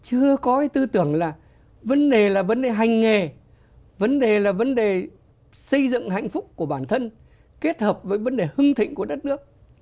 chưa có cái tư tưởng là vấn đề là vấn đề hành nghề vấn đề là vấn đề xây dựng hạnh phúc của bản thân kết hợp với vấn đề hưng thịnh của đất nước